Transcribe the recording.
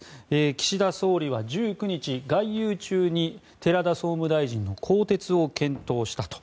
岸田総理は１９日、外遊中に寺田総務大臣の更迭を検討したと。